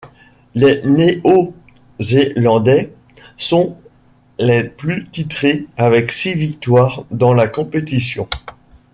Les Néo-Zélandais sont les plus titrés avec six victoires dans la compétition.